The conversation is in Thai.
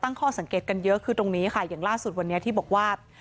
ข้อสังเกตกันเยอะคือตรงนี้ค่ะอย่างล่าสุดวันนี้ที่บอกว่า